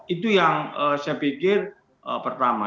itu yang saya pikir pertama